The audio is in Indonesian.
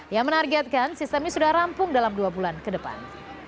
yang menargetkan sistem ini sudah rampung dalam dua bulan ke depan